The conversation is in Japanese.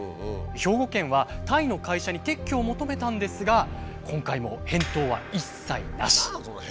兵庫県はタイの会社に撤去を求めたんですが今回も返答は一切なし。